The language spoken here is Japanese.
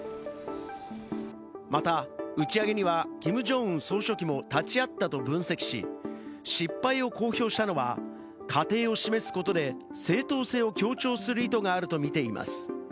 また、打ち上げにはキム・ジョンウン総書記も立ち会ったと分析し、失敗を公表したのは過程を示すことで正当性を強調する意図があると見ています。